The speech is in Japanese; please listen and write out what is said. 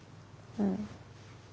うん。